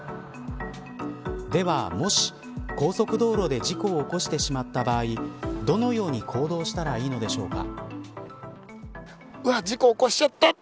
では、もし高速道路で事故を起こしてしまった場合どのように行動したらいいのでしょうか。